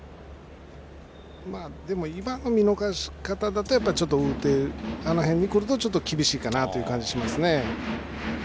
でも、今の見逃し方だとちょっとあの辺に来ると厳しいかなという感じがしますね。